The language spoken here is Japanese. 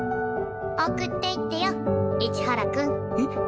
送っていってよ市原くん。え？